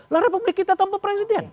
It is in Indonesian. lah republik kita tanpa presiden